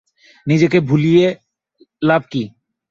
নিজেকে ভুলিয়ে লাভ কী।